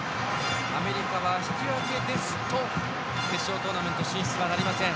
アメリカは引き分けですと決勝トーナメント進出はなりません。